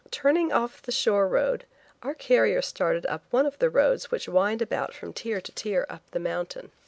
Turning off the shore road our carriers started up one of the roads which wind about from tier to tier up the mountain.